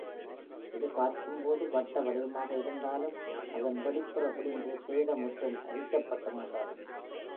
இது பார்க்கும்போது வட்ட வடிவமாக இருந்தாலும், அதன் வெளிப்புற விளிம்பு சேதமுற்றும் அரிக்கப்பட்டும் உள்ளது.